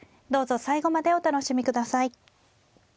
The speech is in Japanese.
どうぞ最後までお楽しみ下さい。